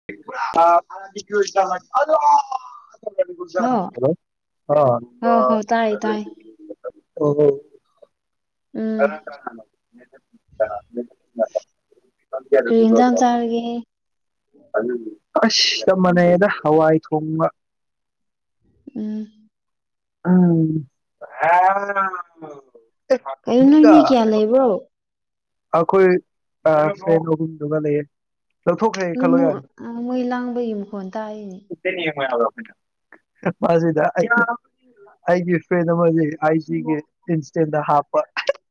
ꯑꯗꯣ [unintelligible] hello hello ꯑꯥ ꯍ ꯍꯣ ꯇꯥꯏ ꯇꯥꯏ [unintelligible] ꯎꯝ ꯀꯅꯥ ꯀꯅꯥ [unintelligible] ꯀꯔꯤ ꯏꯟꯖꯥꯡ ꯆꯥꯔꯒꯦ ꯑꯁ ꯆꯞ ꯃꯥꯟꯅꯩꯗ ꯍꯋꯥꯏ ꯊꯣꯡꯕ ꯎꯝ ꯎꯝ ꯀꯩꯅꯣ ꯅꯣꯏ ꯃꯤ ꯀꯌꯥ [unintelligible] ꯂꯩꯕ꯭ꯔꯣ ꯑꯩꯈꯣꯏ ꯑꯥ ꯗꯔ꯭ꯦꯟꯗ ꯑꯍꯨꯝ ꯗꯨꯒꯥ ꯂꯩꯌꯦ ꯂꯧꯊꯣꯛꯈ꯭ꯔꯦ ꯈꯜꯂꯣ ꯂꯅꯃꯨ ꯌꯥꯔꯦ ꯃꯣꯏ ꯂꯥꯡꯕꯒꯤ ꯃꯈꯣꯟ ꯇꯥꯏꯅꯦ ꯃꯥ ꯑꯁꯤꯗ ꯑꯩꯒꯤ ꯐ꯭ꯔꯦꯟ ꯑꯃ ꯂꯩꯇꯦ ꯑꯥꯏ ꯁꯤꯒꯤ ꯏꯟꯁꯇꯦꯟꯗ ꯍꯥꯞꯄ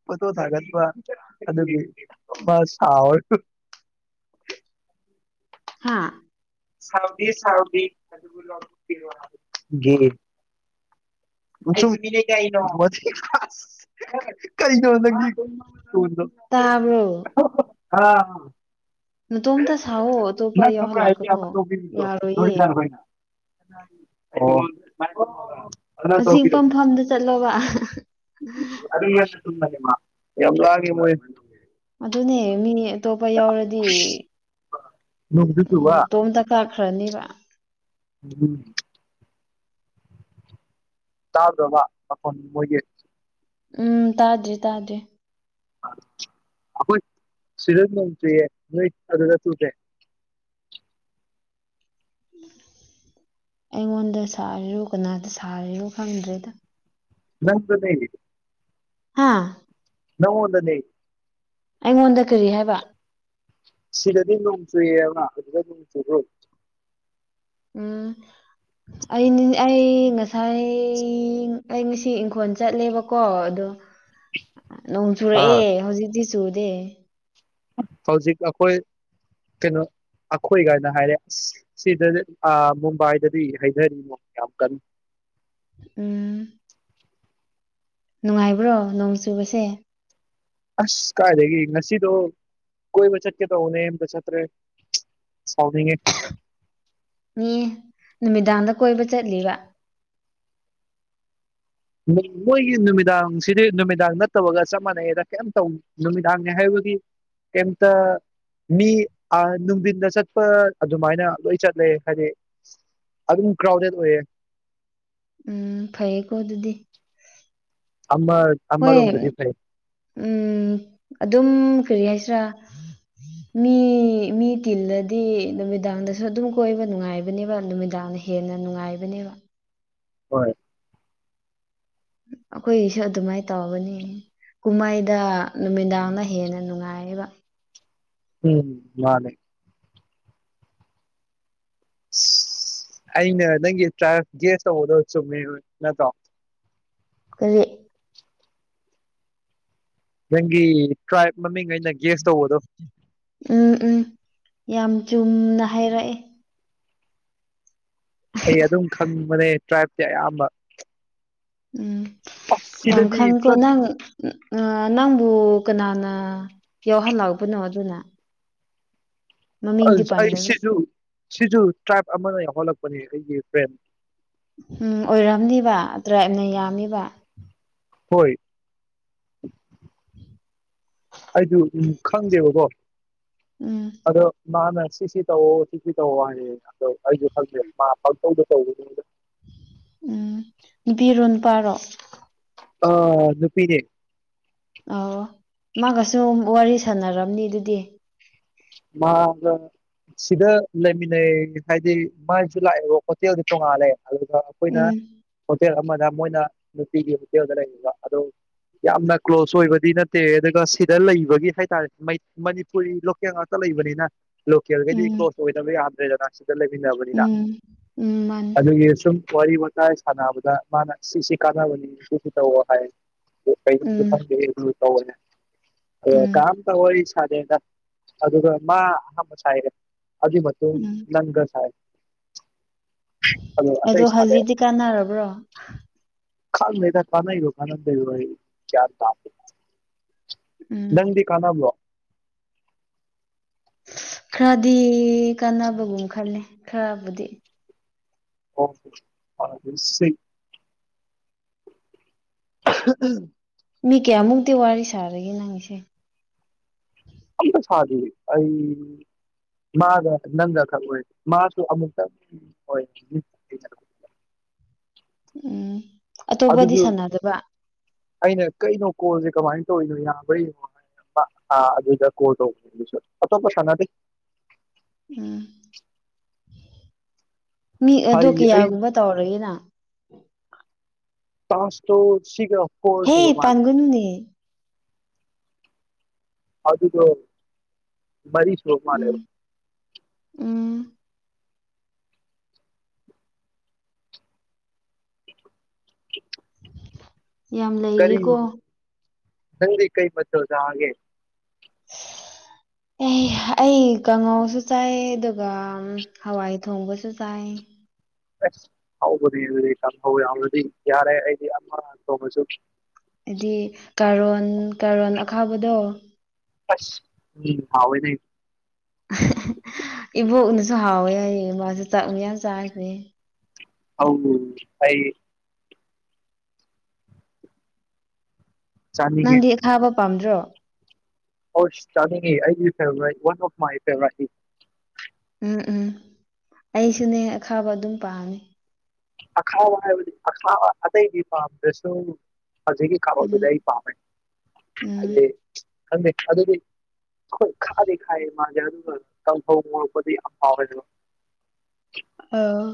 ꯐꯣꯠꯇꯣ ꯊꯥꯒꯠꯄ ꯑꯗꯨꯒꯤ ꯃꯥ ꯁꯥꯎ ꯍꯥꯥ ꯁꯥꯎꯗꯦ ꯁꯥꯎꯗꯦ [unintelligible] ꯒꯤ ꯁꯨꯝ ꯋ꯭ꯊꯤ ꯑꯁ ꯀꯔꯤꯅꯣ ꯅꯪ ꯈꯣꯜꯗꯣ ꯇꯥꯕ꯭ꯔꯣ ꯍꯥ ꯅꯇꯣꯝꯇ ꯁꯥꯋꯣ ꯅꯪ ꯑꯇꯣꯞꯄ ꯈꯪꯕꯔ ꯌꯥꯎꯍꯜꯂꯛꯀꯅꯣ ꯑꯃ ꯌꯥꯔꯣꯏꯌꯦ [unintelligible] ꯑꯣ ꯑꯆꯤꯛꯄꯥ ꯃꯐꯝꯗ ꯆꯠꯂꯣꯕ ꯑꯗꯨ ꯉꯁꯤ ꯄꯨꯟꯕꯅꯤ ꯃꯥ ꯌꯥꯝ ꯂꯥꯡꯉꯦ ꯃꯣꯏ ꯑꯗꯨꯅꯦ ꯃꯤ ꯑꯇꯣꯞꯄ ꯌꯥꯎꯔꯗꯤ ꯅꯣꯡꯁꯨ ꯎꯝ ꯆꯨꯕ ꯃꯇꯣꯝꯇ ꯀꯛꯈ꯭ꯔꯅꯤꯕ ꯎꯝ ꯇꯥꯗꯕꯔ ꯃꯈꯣꯜ ꯃꯣꯏꯒꯤ ꯎꯝ ꯇꯥꯗ꯭ꯔꯤ ꯇꯥꯗ꯭ꯔꯤ ꯑꯩꯈꯣꯏ ꯁꯤꯗ ꯅꯣꯡ ꯆꯨꯏꯌꯦ ꯅꯣꯏ ꯑꯗꯨꯗ ꯆꯨꯗꯦ ꯑꯩꯉꯣꯟꯗ ꯁꯥꯔꯤꯔꯣ ꯀꯅꯥꯗ ꯁꯥꯔꯤꯔꯣ ꯈꯪꯗ꯭ꯔꯦꯗ ꯅꯪꯖꯨꯅꯦ ꯍꯥꯥ ꯅꯪꯉꯣꯟꯗꯅꯦ ꯑꯩꯉꯣꯟꯗ ꯀꯔꯤ ꯍꯥꯏꯕ ꯁꯤꯗꯗꯤ ꯅꯣꯡ ꯆꯨꯏꯌꯦꯕ ꯑꯗꯨꯗ ꯅꯣꯡ ꯆꯨꯕ꯭ꯔꯣ ꯎꯝ ꯑꯩꯗꯤ ꯑꯩ ꯉꯁꯥꯏ ꯑꯩ ꯉꯁꯤ ꯏꯪꯈꯣꯜ ꯆꯠꯂꯦꯕꯀꯣ ꯑꯗꯣ [unintelligible] ꯅꯣꯡ ꯑꯥ ꯆꯨꯔꯛꯑꯦ ꯍꯧꯖꯤꯛꯇꯤ ꯆꯨꯗꯦ ꯍꯧꯖꯤꯛ ꯑꯩꯈꯣꯏ ꯀꯩꯅꯣ ꯑꯩꯈꯣꯏꯒꯥꯏꯅ ꯍꯥꯏꯔꯦ ꯁꯤꯗꯗꯤ ꯑꯥ ꯃꯨꯝꯕꯥꯏꯗꯗꯤ ꯍꯩꯙꯔꯤ ꯅꯣꯡ ꯌꯥꯝ ꯀꯟ ꯎꯝ ꯅꯨꯡꯉꯥꯏꯕ꯭ꯔꯣ ꯅꯣꯡ ꯆꯨꯕꯁꯦ ꯑꯁ ꯀꯥꯏꯗꯒꯤ ꯉꯁꯤꯗꯣ ꯀꯣꯏꯕ ꯆꯠꯀꯦ ꯇꯧꯋꯅꯦ ꯑꯝꯇ ꯆꯠꯇ꯭ꯔꯦ ꯁꯥꯎꯅꯤꯡꯉꯦ ꯃꯤ ꯅꯨꯃꯤꯗꯥꯡꯗ ꯀꯣꯏꯕ ꯆꯠꯂꯤꯕ ꯃꯣꯏꯒꯤ ꯅꯨꯃꯤꯗꯥꯡꯁꯤꯗꯤ ꯅꯨꯃꯤꯗꯥꯡ ꯅꯠꯇꯕꯒ ꯆꯞ ꯃꯥꯟꯅꯩꯗ ꯀꯩꯝ ꯇꯧ ꯅꯨꯃꯤꯗꯥꯥꯡꯅꯦ ꯍꯥꯏꯕꯒꯤ ꯀꯩꯝꯇ ꯃꯤ ꯑ ꯅꯨꯡꯗꯤꯟꯗ ꯆꯠꯄ ꯑꯗꯨꯃꯥꯏꯅ ꯂꯣꯏ ꯆꯠꯂꯦ ꯍꯥꯏꯗꯤ ꯑꯗꯨꯝ ꯀ꯭ꯔꯥꯎꯗꯦꯠ ꯑꯣꯏꯌꯦ ꯎꯝ ꯐꯩꯌꯦꯀꯣ ꯑꯗꯨꯗꯤ ꯑꯃ ꯍꯣꯏ ꯑꯃꯔꯣꯝꯗꯗꯤ ꯐꯩ ꯎꯝ ꯑꯗꯨꯝ ꯀꯔꯤ ꯍꯥꯏꯁꯤꯔꯥ ꯃꯤ ꯃꯤ ꯇꯤꯜꯂꯗꯤ ꯅꯨꯃꯤꯗꯥꯡꯗꯁꯨ ꯑꯗꯨꯝ ꯀꯣꯏꯕ ꯅꯨꯡꯉꯥꯏꯕꯅꯦꯕ ꯅꯨꯃꯤꯗꯥꯡꯅ ꯍꯦꯟꯅ ꯅꯨꯡꯉꯥꯏꯕꯅꯦꯕ ꯍꯣꯏ ꯑꯩꯈꯣꯏꯒꯤꯁꯨ ꯑꯗꯨꯃꯥꯏ ꯇꯥꯎꯕꯅꯦ ꯀꯨꯝꯃꯩꯗ ꯅꯨꯃꯤꯗꯥꯡꯅ ꯍꯦꯟꯅ ꯅꯨꯡꯉꯥꯏꯌꯦꯕ ꯎꯝ ꯃꯥꯅꯦ ꯑꯩꯅ ꯅꯪꯒꯤ ꯇ꯭ꯔꯥꯏꯞ ꯒꯦꯁ ꯇꯧꯕꯗꯣ ꯆꯨꯝꯃꯦ ꯅꯠꯇ꯭ꯔꯣ ꯀꯔꯤ ꯅꯪꯒꯤ ꯇ꯭ꯔꯥꯏꯞ ꯃꯃꯤꯡ ꯑꯩꯅ ꯒꯦꯁ ꯇꯧꯕꯗꯣ ꯎꯝ ꯎꯝ ꯌꯥꯝ ꯆꯨꯝꯅ ꯍꯥꯏꯔꯛꯑꯦ ꯑꯩ ꯑꯗꯨꯝ ꯈꯪꯕꯅꯦ ꯇ꯭ꯔꯥꯏꯞꯇꯤ ꯑꯌꯥꯝꯕ ꯎꯝ ꯑꯁ ꯌꯥꯝ ꯁꯤꯗꯗꯤ ꯈꯪꯏꯀꯣ ꯐ꯭ꯂꯠ ꯅꯪ ꯑ ꯅꯪꯕꯨ ꯀꯅꯥꯅ ꯌꯥꯎꯍꯜꯂꯛꯄꯅꯣ ꯑꯗꯨꯅ ꯃꯃꯤꯡꯗꯤ ꯑꯁ ꯑꯩ ꯄꯥꯟꯗꯔꯣꯏ ꯁꯤꯖꯨ ꯁꯤꯖꯨ ꯇ꯭ꯔꯥꯏꯞ ꯑꯃꯅ ꯌꯥꯎꯍꯜꯂꯛꯄꯅꯦ ꯑꯩꯒꯤ ꯐ꯭ꯔꯦꯟ ꯎꯝ ꯑꯣꯏꯔꯝꯅꯤꯕ ꯇ꯭ꯔꯥꯏꯕꯅ ꯌꯥꯝꯃꯤꯕ ꯍꯣꯏ ꯑꯩꯗꯨ ꯎꯝ ꯈꯪꯗꯦꯕꯀꯣ ꯎꯝ ꯑꯗꯣ ꯃꯥꯅ ꯁꯤꯁꯤ ꯇꯧꯋꯣ ꯁꯤꯁꯤ ꯇꯧꯋꯣ ꯍꯥꯏꯔꯛꯑꯦ ꯑꯗꯣ ꯑꯩꯁꯨ ꯈꯪꯗꯦ [unintelligible] ꯎꯝ ꯅꯨꯄꯤꯔꯣ ꯅꯨꯄꯥꯔꯣ꯫ ꯑꯥ ꯅꯨꯄꯤꯅꯦ꯫ ꯑꯣ ꯃꯥꯒꯁꯨ ꯋꯥꯔꯤ ꯁꯥꯟꯅꯔꯝꯅꯤ ꯑꯗꯨꯗꯤ꯫ ꯃꯥꯒ ꯁꯤꯗ ꯂꯩꯃꯤꯟꯅꯩ ꯍꯥꯏꯗꯤ ꯃꯥꯏꯁꯨ ꯂꯥꯛꯑꯦꯕ ꯍꯣꯇꯦꯜꯗꯤ ꯇꯣꯡꯉꯥꯜꯂꯦ ꯑꯗꯨꯗ ꯈꯣꯏꯅ ꯎꯝ ꯍꯣꯇꯦꯜ ꯑꯃꯗ ꯃꯣꯏꯅ ꯅꯨꯄꯤꯒꯤ ꯍꯣꯇꯦꯜꯗ ꯂꯩꯔꯤꯕ ꯑꯗꯣ__ ꯌꯥꯝꯅ ꯀ꯭ꯂꯣꯖ ꯑꯣꯏꯕꯗꯤ ꯅꯠꯇꯦ ꯑꯗꯨꯒ ꯁꯤꯗ ꯂꯩꯕꯒꯤ ꯍꯥꯏꯇꯥꯔꯦ ꯃꯩ ꯃꯅꯤꯄꯨꯔꯤ ꯂꯣꯀꯦꯜ ꯉꯥꯛ__ ꯂꯩꯕꯅꯤꯅ ꯂꯣꯀꯦꯜꯈꯩꯗꯤ ꯎꯝ ꯀ꯭ꯂꯣꯖ ꯑꯣꯏꯗꯕ ꯌꯥꯗ꯭ꯔꯦꯗꯅ꯫ ꯁꯤꯗ ꯂꯩꯃꯤꯟꯅꯕꯅꯤꯅ ꯎꯝ ꯎꯝ ꯃꯥꯅꯤ ꯑꯗꯨꯒꯤ ꯁꯨꯝ__ ꯋꯥꯔꯤ ꯋꯥꯇꯥꯏ ꯁꯥꯟꯅꯕꯗ ꯃꯥꯅ ꯁꯤꯁꯤ ꯀꯥꯟꯅꯕꯅꯤ ꯁꯤꯁꯨ ꯇꯧꯋꯣ ꯍꯥꯏ꯫ ꯎꯝ [unintelligible] ꯎꯝ ꯀꯥꯅꯥꯝꯇ ꯋꯥꯔꯤ ꯁꯥꯗꯦ ꯑꯗꯨꯒ ꯃꯥ ꯑꯍꯥꯟꯕ ꯁꯥꯌꯦ ꯑꯗꯨꯏ ꯃꯇꯨꯡ ꯎꯝ ꯅꯪ ꯁꯥꯢ ꯑꯗꯣ ꯍꯧꯖꯤꯛꯇꯤ ꯀꯥꯟꯅꯥꯔꯕ꯭ꯔꯣ꯫ ꯈꯪꯗꯦꯗ ꯀꯥꯅꯩꯔꯣ ꯀꯅꯥꯗ꯭ꯔꯤꯔꯣ ꯑꯩ ꯒ꯭ꯌꯥꯟ ꯇꯥꯗꯦ ꯎꯝ ꯅꯪꯗꯤ ꯀꯥꯅꯕ꯭ꯔꯣ ꯈꯔꯗꯤ ꯀꯥꯟꯅꯕꯒꯨꯝ ꯈꯜꯂꯦ ꯈꯔꯕꯨꯗꯤ ꯑꯣ [unintelligible] ꯎꯝ ꯃꯤ ꯀꯌꯥꯃꯨꯛꯇꯤ ꯋꯥꯔꯤ ꯁꯥꯔꯒꯦ ꯅꯪꯒꯤ ꯁꯦ ꯑꯃꯇꯥ ꯁꯥꯗꯤꯌꯦ ꯑꯩ ꯃꯥꯒ ꯅꯪꯒ ꯈꯛ ꯑꯣꯏ ꯃꯥꯁꯨ ꯑꯃꯨꯛꯇꯪ ꯑꯣꯏ ꯎꯝ ꯑꯇꯣꯞꯄꯗꯤ ꯑꯗꯨꯁꯨ ꯁꯥꯟꯅꯗꯕ ꯑꯩꯅ ꯀꯩꯅꯣ ꯀꯣꯜꯁꯦ ꯀꯃꯥꯏꯅ ꯇꯧꯔꯤꯅꯣ ꯌꯥꯝꯕ꯭ꯔꯥ ꯌꯦꯡꯉꯣ [unintelligible] ꯑꯥ ꯑꯗꯨꯗ ꯀꯣꯜ ꯇꯧꯕ ꯑꯗꯨꯁꯨ ꯑꯇꯣꯞꯄꯥ ꯁꯥꯟꯅꯗꯦ ꯎꯝ ꯃꯤ ꯑꯗꯨ ꯍꯩ ꯑꯩ ꯀꯌꯥꯒꯨꯝꯕ ꯇꯧꯔꯒꯦꯅ ꯇꯥꯁꯛꯇꯣ ꯁꯤꯒ ꯐꯣꯔ ꯍꯦ ꯁꯨꯕ ꯃꯥꯜꯂꯦ ꯄꯟꯒꯅꯨꯅꯦ ꯑꯗꯨꯗꯣ ꯃꯔꯤꯁꯨꯔꯥ ꯎꯝ ꯃꯥꯜꯂꯦꯕ ꯎꯝ ꯌꯥꯝ ꯀꯔꯤ ꯂꯩꯔꯤꯀꯣ ꯅꯪꯗꯤ ꯀꯩ ꯃꯊꯦꯜ ꯆꯥꯔꯒꯦ ꯑꯦ ꯑꯩ ꯀꯥꯡꯉꯥꯎꯁꯨ ꯆꯥꯏ ꯑꯗꯨꯒ ꯍꯋꯥꯏ ꯊꯣꯡꯕꯁꯨ ꯆꯥꯏ ꯑꯦꯁ ꯍꯧꯕꯅꯤ ꯑꯗꯨꯗꯤ ꯀꯥꯡꯍꯧ ꯌꯥꯎꯔꯗꯤ ꯌꯥꯔꯦ ꯑꯩꯗꯤ ꯑꯃꯥ ꯇꯧꯗ꯭ꯔꯥꯁꯨ ꯗꯤ ꯀꯥꯔꯣꯟ ꯀꯥꯔꯣꯟ ꯑꯈꯥꯕꯗꯣ ꯑꯁ ꯎꯝ ꯍꯥꯎꯕꯅꯦ ꯏꯕꯣꯛꯅꯁꯨ ꯍꯥꯎꯋꯦ ꯍꯥꯏꯌꯦ ꯃꯥꯁꯨ ꯆꯥꯛ ꯃꯥꯌꯥꯝ ꯆꯥꯈ꯭ꯔꯦ ꯑꯧ ꯐꯩꯌꯦ ꯆꯥꯅꯤꯡꯉꯦ ꯅꯪꯗꯤ ꯑꯈꯥꯕ ꯄꯥꯝꯗ꯭ꯔꯣ ꯑꯁ ꯆꯥꯅꯤꯡꯉꯦ ꯑꯩꯒꯤ ꯐꯦꯕꯣꯔꯥꯠ ꯋꯥꯟ ꯑꯣꯞ ꯃꯥꯢ ꯐꯦꯕꯣꯔꯥꯠꯅꯤ ꯎꯝ ꯎꯝ ꯑꯩꯁꯨꯅꯦ ꯑꯈꯥꯕ ꯑꯗꯨꯝ ꯄꯥꯝꯃꯤ ꯑꯈꯥꯕ ꯍꯥꯏꯕꯗꯤ ꯑꯈꯥꯕ ꯑꯇꯩꯗꯤ ꯄꯥꯝꯗ꯭ꯔꯁꯨ ꯍꯧꯖꯤꯛꯀꯤ ꯎꯝ ꯀꯥꯔꯣꯠꯇꯨꯗꯤ ꯑꯩ ꯄꯥꯝꯃꯦ ꯎꯝ ꯍꯥꯏꯗꯤ ꯈꯪꯗꯦ ꯑꯗꯨꯗꯤ ꯍꯣꯏ ꯈꯥꯗꯤ ꯈꯥꯏꯌꯦ ꯃꯥꯁꯦ ꯑꯗꯨꯒ ꯀꯥꯡꯍꯧ ꯉꯣꯔꯛꯄꯗꯤ ꯌꯥꯝ ꯐꯥꯎꯋꯦ ꯑꯗꯨꯕ ꯑꯥ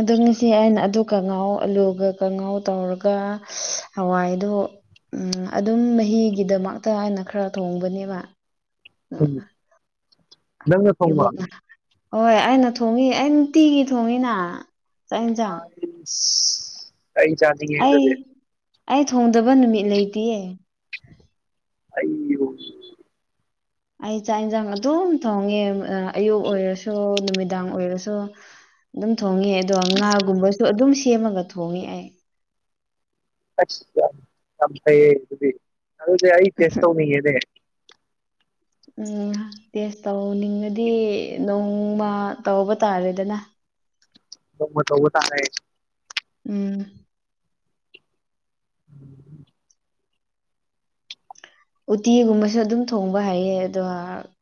ꯑꯗꯣꯉꯁꯤ ꯑꯩꯅ ꯑꯗꯨ ꯀꯡꯉꯥꯎ ꯑꯂꯨꯒ ꯀꯉꯥꯎ ꯇꯧꯔꯒ ꯍꯋꯥꯏꯗꯨ ꯎꯝ ꯑꯗꯨꯝ ꯃꯍꯤꯒꯤꯗꯃꯛꯇ ꯍꯥꯏꯅ ꯈꯔ ꯊꯣꯡꯕꯅꯦꯕ ꯎꯝ ꯅꯪꯅ ꯊꯣꯡꯕ ꯏꯕꯣꯛꯅ ꯍꯣꯏ ꯑꯩꯅ ꯊꯣꯡꯉꯤ ꯑꯩ ꯅꯨꯡꯇꯤꯒꯤ ꯊꯣꯡꯉꯤꯅ ꯆꯥꯛ ꯍꯦꯟꯖꯡ ꯆꯩ ꯆꯥꯅꯤ ꯑꯩ ꯑꯩ ꯊꯣꯡꯗꯕ ꯅꯨꯃꯤꯠ ꯂꯩꯇꯤꯌꯦ ꯑꯩ ꯑꯩ ꯆꯥꯛ ꯌꯦꯟꯖꯡ ꯑꯗꯨꯝ ꯊꯣꯡꯉꯦ ꯑꯌꯨꯛ ꯑꯣꯏꯔꯁꯨ ꯅꯨꯃꯤꯗꯥꯡ ꯑꯣꯏꯔꯁꯨ ꯑꯗꯨꯝ ꯊꯣꯡꯉꯦ ꯑꯗꯣ ꯉꯥꯒꯨꯝꯕꯁꯨ ꯑꯗꯨꯝ ꯁꯦꯝꯃꯒ ꯊꯣꯡꯉꯦ ꯑꯩ ꯑꯁ ꯌꯥꯝ ꯌꯥꯝ ꯐꯩꯌꯦ ꯑꯗꯨꯗꯤ ꯑꯩ ꯇꯦꯁ ꯇꯧꯅꯤꯡꯉꯦꯅꯦ ꯎꯝ ꯇꯦꯁ ꯇꯧꯅꯤꯡꯉꯗꯤ ꯅꯣꯡꯃ ꯇꯧꯕ ꯇꯥꯔꯦꯗꯅ ꯅꯣꯡꯃꯥ ꯇꯧꯕ ꯇꯥꯔꯦ ꯎꯝ ꯎꯝ ꯎꯇꯤꯒꯨꯝꯕꯁꯨ ꯑꯗꯨꯝ ꯊꯣꯡꯕ ꯍꯩꯌꯦ ꯑꯗꯣ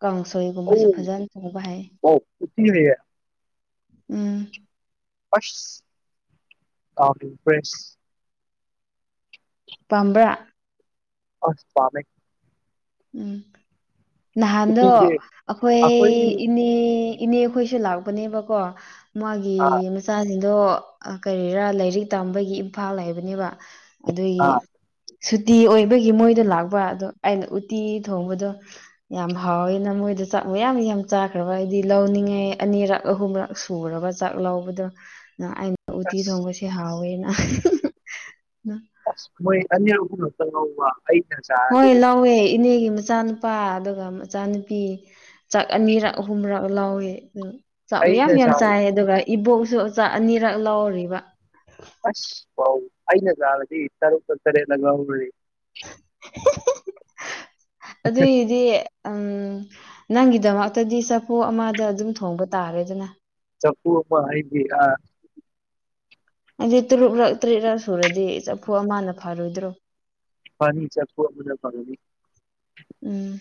ꯀꯥꯡꯁꯣꯏꯒꯨꯝꯕꯁꯨ ꯑꯧ ꯐꯖꯅ ꯊꯣꯡꯕ ꯍꯩ ꯑꯣ ꯎꯇꯤ ꯂꯩꯌꯦ ꯎꯝ [unintelligible] ꯄꯝꯕ꯭ꯔꯥ ꯑꯁ ꯄꯥꯝꯃꯦ ꯎꯝ ꯅꯍꯥꯟꯗꯣ ꯎꯇꯤꯁꯦ ꯑꯩꯈꯣꯏ ꯏꯅꯦ ꯏꯅꯦꯈꯣꯏꯁꯨ ꯂꯥꯛꯄꯅꯦꯕꯀꯣ ꯃꯥꯒꯤ ꯑꯥ ꯃꯆꯥꯁꯤꯡꯗꯣ ꯀꯔꯤꯔꯥ ꯂꯥꯏꯔꯤꯛ ꯇꯝꯕꯒꯤ ꯏꯝꯐꯥꯜ ꯍꯥꯏꯕꯅꯦꯕ ꯑꯗꯨꯒꯤ ꯑꯥ ꯁꯨꯇꯤ ꯑꯣꯏꯕꯒꯤ ꯃꯣꯏꯗꯣ ꯂꯥꯛꯄ ꯑꯗꯣ ꯑꯩꯅ ꯎꯇꯤ ꯊꯣꯡꯕꯗꯣ ꯌꯥꯝ ꯍꯥꯎꯋꯦꯅ ꯃꯣꯏꯗꯣ ꯆꯥꯛ ꯃꯌꯥꯝ ꯌꯥꯝ ꯆꯥꯈ꯭ꯔꯕ ꯍꯥꯏꯗꯤ ꯂꯧꯅꯤꯡꯉꯥꯏ ꯑꯅꯤꯔꯛ ꯑꯍꯨꯝꯔꯛ ꯁꯨꯔꯕ ꯆꯥꯛ ꯂꯧꯕꯗꯣ ꯑꯩꯅ ꯎꯇꯤ ꯑꯁ ꯊꯣꯡꯕꯁꯦ ꯍꯥꯎꯋꯦꯅ ꯑꯁ ꯃꯣꯏ ꯑꯅꯤ ꯑꯍꯨꯃꯂꯛꯇꯪ ꯂꯧꯕ ꯑꯩꯅꯥ ꯆ ꯍꯣꯏ ꯂꯧꯋꯦ ꯏꯅꯦꯒꯤ ꯃꯆꯥꯅꯨꯄꯥ ꯑꯗꯨꯒ ꯃꯆꯥꯅꯨꯄꯤ ꯆꯥꯛ ꯑꯅꯤꯔꯛ ꯑꯍꯨꯝꯔꯛ ꯂꯧꯏ ꯑꯗꯨ ꯆꯥꯛ ꯃꯌꯥꯝ ꯑꯩꯅ ꯃꯌꯥꯝ ꯆꯥꯔ ꯆꯥꯏ ꯑꯗꯨꯒ ꯏꯕꯣꯛꯁꯨ ꯆꯥꯛ ꯑꯅꯤꯔꯛ ꯂꯧꯔꯤꯕ ꯑꯁ ꯑꯩꯅ ꯆꯔꯥꯗꯤ ꯇꯔꯨꯛꯂꯛ ꯇꯔꯦꯠꯂꯛ ꯂꯧꯒꯅꯤ ꯑꯗꯨꯏꯗꯤ ꯎꯝ ꯅꯪꯒꯤꯗꯃꯛꯇꯗꯤ ꯆꯐꯨ ꯑꯃꯗ ꯑꯗꯨꯝ ꯊꯣꯡꯕ ꯇꯥꯔꯦꯗꯅ ꯆꯐꯨ ꯑꯃꯥ ꯑꯩꯒꯤ ꯑ ꯍꯥꯏꯗꯤ ꯇ꯭ꯔꯨꯛꯔꯛ ꯇ꯭ꯔꯦꯠꯔꯛ ꯁꯨꯔꯗꯤ ꯆꯐꯨ ꯑꯃꯅ ꯐꯥꯔꯣꯏꯗ꯭ꯔꯣ ꯐꯅꯤ ꯆꯐꯨ ꯑꯃꯅꯥ ꯐꯒꯥꯅꯤ ꯎꯝ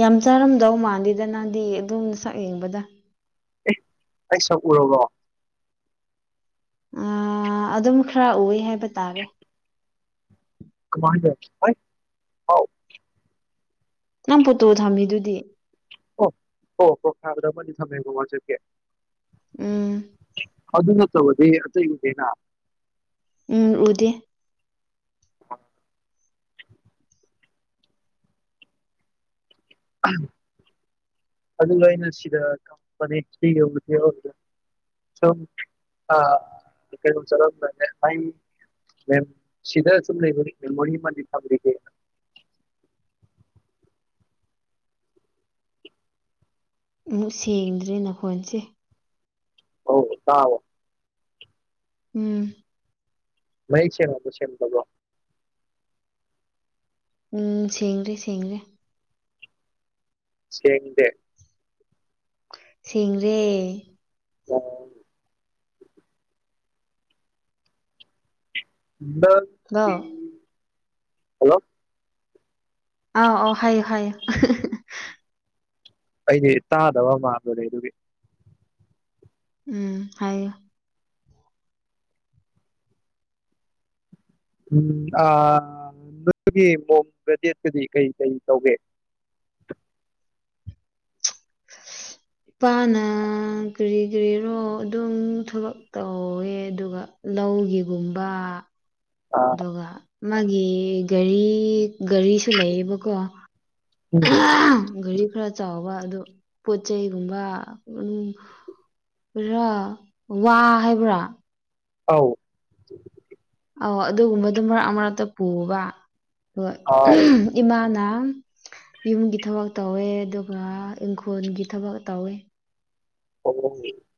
ꯌꯥꯝ ꯆꯥꯔꯝꯗꯧ ꯃꯥꯥꯟꯗꯦꯗ ꯅꯪꯗꯤ ꯑꯗꯨꯝ ꯁꯛ ꯌꯦꯡꯕꯗ ꯑꯩꯥ ꯁꯛ ꯎꯔꯕꯣ ꯑ ꯑꯗꯨꯝ ꯈꯔ ꯎꯋꯦ ꯍꯥꯏꯕ ꯇꯥꯔꯦ ꯀꯃꯥꯏꯅꯥ ꯑꯣꯏ ꯍꯥꯎ ꯅꯪ ꯐꯣꯠꯇꯣ ꯊꯝꯃꯤꯗꯨꯗꯤ ꯑꯣ ꯑꯣ ꯄꯣꯔꯐꯥꯏꯜꯗ ꯑꯃꯗꯤ ꯊꯃꯦꯀꯣ ꯋꯥꯆꯞꯀꯤ ꯎꯝ ꯑꯗꯨ ꯅꯥꯠꯇꯕꯗꯤ ꯑꯇꯩ ꯎꯗꯦꯅ ꯎꯝ ꯎꯗꯦ ꯑꯗꯨꯒ ꯑꯩꯅ ꯁꯤꯗ ꯀꯝꯄꯅꯤ [unintelligible] [unintelligible] ꯁꯤꯗ ꯁꯨꯝ ꯂꯩꯕ ꯃꯦꯃꯣꯔꯤ ꯑꯃꯗꯤꯗꯤ ꯐꯪꯒꯦ ꯑꯃꯨꯛ ꯁꯦꯡꯗ꯭ꯔꯦ ꯅꯈꯣꯟꯁꯤ꯫ ꯑꯧ ꯇꯥꯕꯣ ꯎꯝ ꯃꯌꯦꯛ ꯁꯦꯡꯉꯕꯣ ꯁꯦꯡꯗꯕ꯭ꯔꯣ? ꯎꯝ ꯁꯦꯡꯗꯤ ꯁꯦꯡꯂꯦ꯫ ꯁꯦꯡꯗꯦ ꯁꯦꯡꯔꯦ [unintelligible] [unintelligible] ꯅꯥ ꯍꯜꯂꯣ ꯑꯥꯎ ꯑꯥꯎ ꯍꯥꯏꯌꯨ ꯍꯥꯏꯌꯨ ꯑꯩꯗꯤ ꯇꯥꯗꯕ ꯃꯂꯨꯔꯦ ꯑꯗꯨꯒꯤ ꯎꯝ ꯍꯥꯏꯌꯣ ꯎꯝ ꯑꯥ [unintelligible] ꯀꯩ ꯀꯩ ꯇꯧꯒꯦ [inaudible] ꯄꯥꯅ ꯀ꯭ꯔꯤ ꯀ꯭ꯔꯤꯔꯣ ꯑꯗꯨꯝ ꯊꯕꯛ ꯇꯧꯋꯦ ꯑꯗꯨꯒ ꯂꯧꯒꯤꯒꯨꯝꯕ ꯑꯥ ꯑꯗꯨꯒ ꯃꯥꯒꯤ ꯒꯥꯔꯤ ꯒꯥꯔꯤ ꯂꯩꯌꯦꯕꯀꯣ ꯎꯝ ꯒꯔꯤ ꯈꯔ ꯆꯥꯎꯕ ꯑꯗꯣ ꯄꯣꯠ ꯆꯩꯩꯒꯨꯝꯕ ꯑꯗꯨꯝ ꯔ ꯋꯥ ꯍꯥꯏꯕ꯭ꯔꯥ ꯑꯧ ꯑ ꯑꯗꯨꯒꯨꯝꯕꯗꯨ ꯃꯔꯛ ꯃꯔꯛꯇ ꯄꯨꯕ ꯍꯣꯏ ꯑꯥ ꯏꯃꯥꯅ ꯌꯨꯝꯒꯤ ꯊꯕꯛ ꯇꯧꯋꯦ ꯑꯗꯨꯒ ꯏꯪꯈꯣꯜꯒꯤ ꯊꯕꯛ ꯇꯧꯋꯦ꯫ [unintelligible]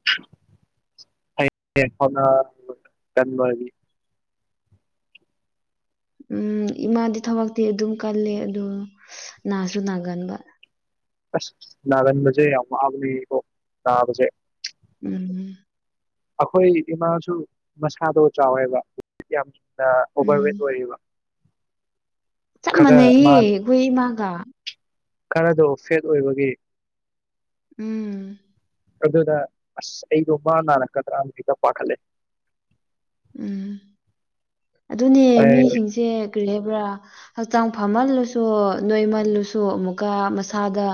[unintelligible] ꯎꯝ ꯏꯃꯥꯗꯤ ꯊꯕꯛꯇꯤ ꯑꯗꯨꯝ ꯀꯜꯂꯦ ꯑꯗꯣ ꯅꯥꯁꯨ ꯅꯥꯒꯟꯕ꯫ ꯑꯁ ꯅꯥꯒꯟꯕꯖꯦ ꯌꯥꯝ ꯋꯥꯕꯅꯤꯕꯣ ‌ꯅꯥꯕꯖꯦ ꯎꯝ ꯑꯈꯣꯏ ꯏꯃꯥꯁꯨ ꯃꯁꯥꯗꯣ ꯆꯥꯎꯋꯦꯕ꯫ ꯌꯥꯝꯅ ꯎꯝ ꯑꯣꯚꯔꯋꯦꯠ ꯑꯣꯏꯔꯤꯕ ꯆꯞ ꯃꯥꯟꯅꯩꯌꯦ ꯑꯩꯈꯣꯏ ꯏꯃꯥꯒ꯫ ꯈꯔꯗꯣ ꯐꯦꯠ ꯑꯣꯏꯕꯒꯤ ꯎꯝ ꯑꯗꯨꯗ ꯑꯁ ꯑꯩꯗꯣ ꯃꯥ ꯅꯥꯔꯛꯀꯗ꯭ꯔꯥꯅ ꯍꯦꯛꯗ ꯄꯥꯈꯠꯂꯦ꯫ ꯎꯝ ꯑꯗꯨꯅꯦ ꯃꯤꯁꯤꯡꯁꯦ ꯀꯔꯤ ꯍꯥꯏꯕ꯭ꯔꯥ ꯍꯛꯆꯥꯡ ꯐꯥꯃꯜꯂꯁꯨ ꯅꯣꯏꯃꯜꯂꯨꯁꯨ ꯑꯃꯨꯛꯀ ꯃꯁꯥꯗ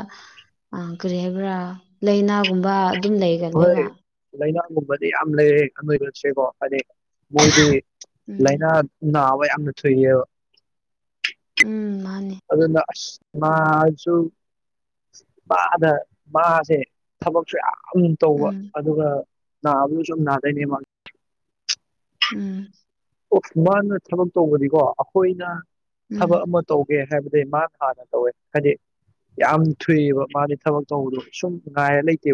ꯑꯥ ꯀꯔꯤ ꯍꯥꯏꯕ꯭ꯔꯥ ꯂꯥꯏꯅꯥꯒꯨꯝꯕ ꯑꯗꯨꯝ ꯍꯣꯏ ꯂꯩꯒꯜꯂꯦꯕ꯫ ꯂꯥꯏꯅꯥꯒꯨꯝꯕꯗꯤ ꯌꯥꯝ ꯂꯩꯔꯦ ꯑꯅꯣꯏꯕꯁꯦꯀꯣ ꯍꯥꯏꯗꯤ ꯃꯣꯏꯗꯤ ꯎꯝ ꯂꯥꯏꯅꯥ ꯅꯥꯕ ꯌꯥꯝꯅ ꯊꯨꯏꯑꯕ꯫ ꯎꯝ ꯃꯥꯅꯤ ꯑꯗꯨꯅ ꯑꯁ ꯃꯥꯁꯨ ꯃꯥꯗ ꯃꯥꯁꯦ ꯊꯕꯛꯁꯨ ꯌꯥꯝ ꯇꯧꯕ ꯎꯝ ꯑꯗꯨꯒ ꯅꯕꯒꯤꯁꯨꯝ ꯅꯥꯗꯨꯏꯅꯦꯕꯥ ꯎꯝ ꯑꯣ ꯃꯥꯅ ꯊꯕꯛ ꯇꯧꯕꯗꯤꯀꯣ ꯑꯩꯈꯣꯏꯗ ꯎꯝ ꯊꯕꯛ ꯑꯃ ꯇꯧꯒꯦ ꯍꯥꯏꯕꯗꯤ ꯃꯥ ꯍꯥꯟꯅ ꯇꯧꯋꯦ ꯍꯥꯏꯗꯤ ꯌꯥꯝ ꯊꯨꯏꯑꯦꯕ ꯃꯥꯗꯤ ꯊꯕꯛ ꯇꯧꯕꯗꯣ ꯁꯨꯝ ꯉꯥꯏꯔ ꯂꯩꯇꯦꯕ